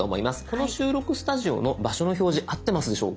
この収録スタジオの場所の表示合ってますでしょうか？